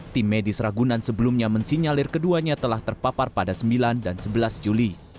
tim medis ragunan sebelumnya mensinyalir keduanya telah terpapar pada sembilan dan sebelas juli